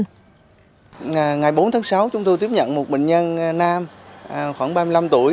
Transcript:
trước đó ngày bốn tháng sáu chúng tôi tiếp nhận một bệnh nhân nam khoảng ba mươi năm tuổi